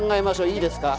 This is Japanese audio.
いいですか？